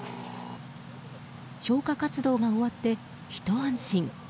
消火活動が終わって、ひと安心。